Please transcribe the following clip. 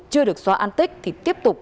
chưa được xóa an tích thì tiếp tục